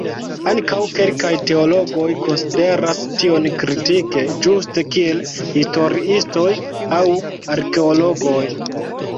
Ankaŭ kelkaj teologoj konsideras tion kritike, ĝuste kiel historiistoj aŭ arkeologoj.